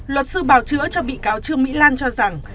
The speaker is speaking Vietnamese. luật sư bào chữa cho bị cáo trương mỹ lan cho rằng